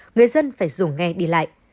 người dân phải dùng nghe đi lại